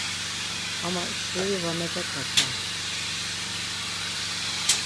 Ama şuri va megakaçan.